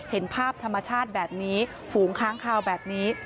เห็นภาพธรรมชาติแบบนี้ฝูงค้างคาวแบบนี้